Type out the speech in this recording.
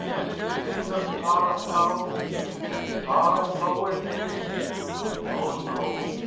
Is it the tender star of love? The star of love and dreams? Oh, no!